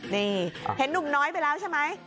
นี่เห็นหนุ่มน้อยไปแล้วใช่ไหม